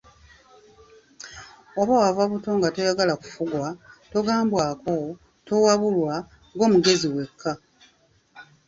Oba wava buto nga toyagala kufugwa, togambwako, towabulwa, ggwe mugezi wekka.